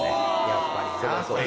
やっぱりな。